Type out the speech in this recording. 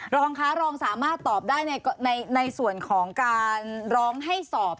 รองคะรองสามารถตอบได้ในส่วนของการร้องให้สอบ